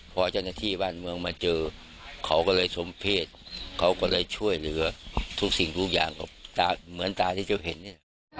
เขาก็เลยชมเพศเขาก็เลยช่วยเหลือทุกสิ่งทุกอย่างเหมือนตาที่เจ้าเห็นนี่